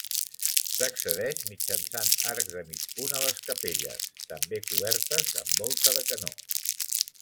S'accedeix mitjançant arcs de mig punt a les capelles, també cobertes amb volta de canó.